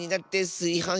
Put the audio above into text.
すいはん